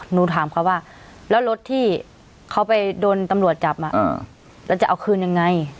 หนูถามเขาว่าแล้วรถที่เขาไปโดนตำรวจจับแล้วจะเอาคืนยังไง